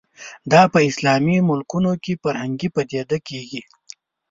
دا په اسلامي ملکونو کې فرهنګي پدیده کېږي